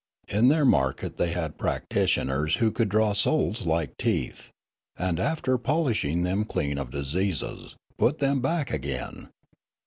In their market they had prac titioners who could draw souls like teeth, and, after polishing them clean of diseases, put them back again.